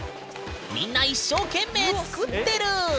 みんな一生懸命作ってる！